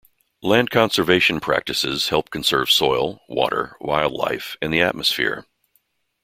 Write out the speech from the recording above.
Land conservation practices help conserve soil, water, wildlife, and the atmosphere.